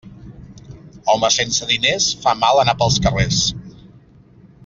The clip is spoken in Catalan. Home sense diners fa mal anar pels carrers.